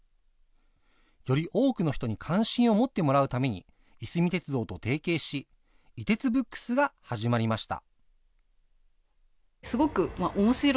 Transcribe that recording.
より多くの人に関心を持ってもらうためにいすみ鉄道と提携し、い鉄ブックスが始まりました。